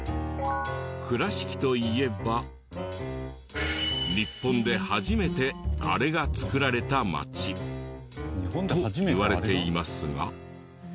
倉敷といえば日本で初めてあれが作られた町といわれていますが。